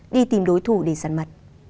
đi tìm đối thủ để giặt mặt